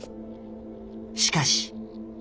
しかし。